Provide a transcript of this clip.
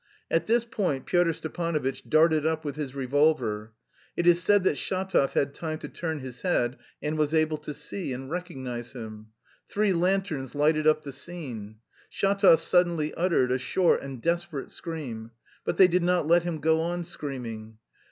At this point Pyotr Stepanovitch darted up with his revolver. It is said that Shatov had time to turn his head and was able to see and recognise him. Three lanterns lighted up the scene. Shatov suddenly uttered a short and desperate scream. But they did not let him go on screaming.